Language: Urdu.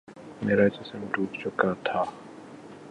میرا جسم ٹوٹ چکا تھا